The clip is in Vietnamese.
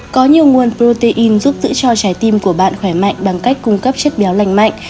có nhiều nguồn protein giúp giữ cho trái tim của bạn khỏe mạnh bằng cách cung cấp chất béo lành mạnh